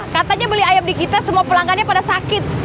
katanya beli ayam di kita semua pelanggannya pada sakit